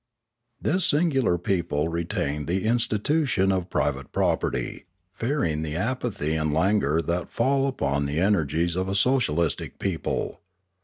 This singular people retained the institution of priv ate property, fearing the apathy and languor that fall upon the energies of a socialistic people.